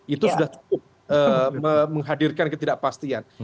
itu sudah cukup menghadirkan ketidakpastian